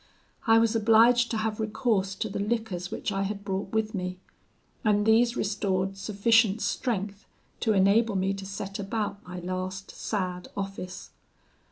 I was obliged to have recourse to the liquors which I had brought with me, and these restored sufficient strength to enable me to set about my last sad office.